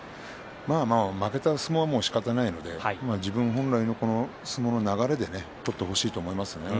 負けた相撲はしょうがないので自分本来の相撲の流れで取ってほしいと思います。